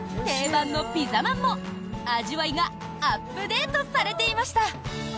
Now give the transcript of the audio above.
定番のピザまんも、味わいがアップデートされていました。